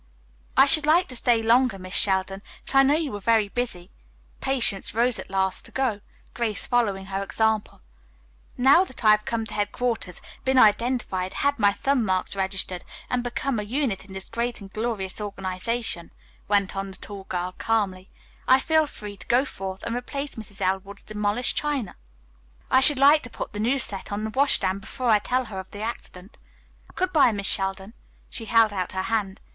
"I should like to stay longer, Miss Sheldon, but I know you are very busy." Patience rose at last to go, Grace following her example. "Now that I have come to headquarters, been identified, had my thumb marks registered and become a unit in this great and glorious organization," went on the tall girl calmly, "I shall feel free to go forth and replace Mrs. Elwood's demolished china. I should like to put the new set on the washstand before I tell her of the accident. Good bye, Miss Sheldon." She held out her hand.